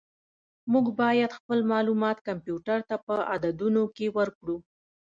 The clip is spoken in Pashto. موږ باید خپل معلومات کمپیوټر ته په عددونو کې ورکړو.